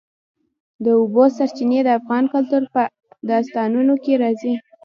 د اوبو سرچینې د افغان کلتور په داستانونو کې راځي.